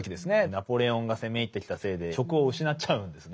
ナポレオンが攻め入ってきたせいで職を失っちゃうんですね。